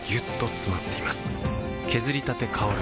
削りたて香る